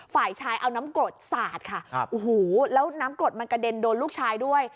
ฝ่ายชายเอาน้ำกรดสาดค่ะครับโอ้โหแล้วน้ำกรดมันกระเด็นโดนลูกชายด้วย